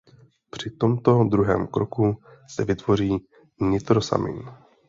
Při tomto druhém kroku se vytvoří nitrosamin.